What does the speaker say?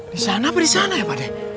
di sana apa di sana ya pak de